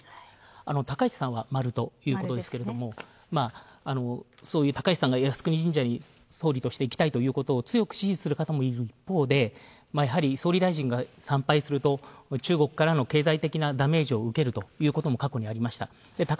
高市さんは○ということですけれども高市さんが靖国神社に総理として参拝するということを強く思う方がいる一方でやはり、総理大臣が参拝すると中国からの経済的なダメージを受けるということも過去にありました。